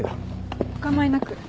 お構いなく。